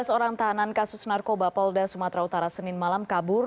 tiga belas orang tahanan kasus narkoba polda sumatera utara senin malam kabur